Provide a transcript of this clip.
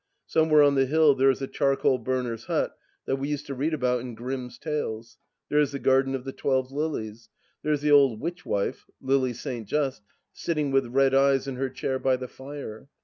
Somewhere on the hill there is a charcoal burner's hut that we used to read about in Grunm's Tales ; there is the garden of the twelve lilies ; there is the old Witch Wife (Lily St. J.) sitting with red eyes in her chair by the fire.